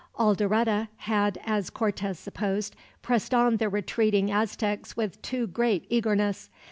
Alderete had, as Cortez supposed, pressed on the retreating Aztecs with too great eagerness.